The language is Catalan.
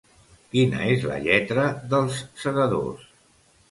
Quina és la lletra dels Segadors?